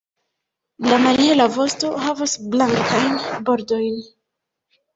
La malhela vosto havas blankajn bordojn.